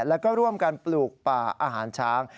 แล้วก็ร่วมกันปลูกป่าอาหารช้าง